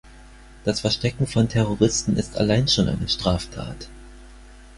Das Verstecken von Terroristen ist allein schon eine Straftat.